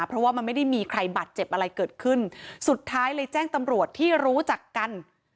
เพราะว่ามันไม่ได้มีใครบาดเจ็บอะไรเกิดขึ้นสุดท้ายเลยแจ้งตำรวจที่รู้จักกัน